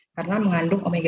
karena mengandung omega sembilan